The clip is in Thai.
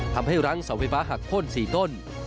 ทำให้รั้งเสาไฟฟ้าหักโค้น๔ต้น